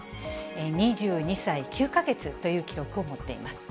２２歳９か月という記録を持っています。